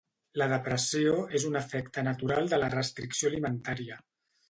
La depressió és un efecte natural de la restricció alimentària.